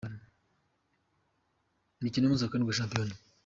Imikino y’umunsi wa karindwi wa Shampiyona.